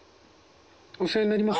お世話になります。